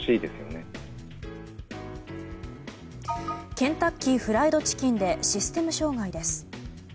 ケンタッキーフライドチキンでシステム障害です。